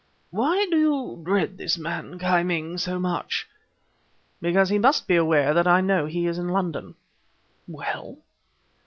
"Why do you dread this man, Ki Ming, so much?" "Because he must be aware that I know he is in London." "Well?"